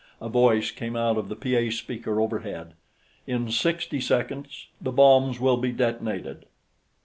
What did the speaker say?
A voice came out of the PA speaker overhead: "In sixty seconds, the bombs will be detonated